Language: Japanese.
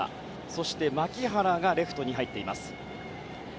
そして牧原がレフトに入っています。